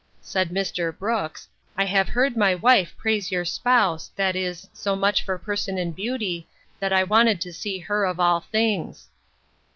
'Said Mr. Brooks, I have heard my wife praise your spouse that is, so much for person and beauty, that I wanted to see her of all things.